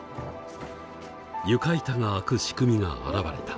床板が開く仕組みが現れた。